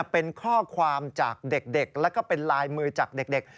เป็นข้อความจากเด็กแล้วก็เป็นลายมือจากเด็ก